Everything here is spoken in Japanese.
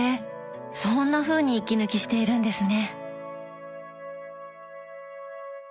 そんなふうに息抜きしているんですね。